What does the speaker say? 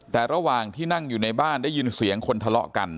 แต่ระหว่างที่นั่งอยู่ในบ้านได้ยินเสียงคนทะเลาะกัน